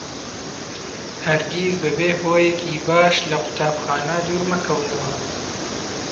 هەرگیز بەبێ هۆیەکی باش لە قوتابخانە دوور مەکەونەوە.